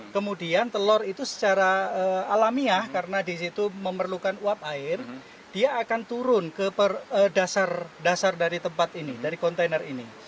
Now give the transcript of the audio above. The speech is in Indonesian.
kemudian telur itu secara alamiah karena di situ memerlukan uap air dia akan turun ke dasar dasar dari tempat ini dari kontainer ini